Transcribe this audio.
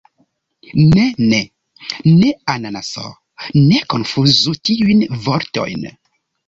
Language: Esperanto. Ne ne. Ne ananaso. Ne konfuzu tiujn vortojn.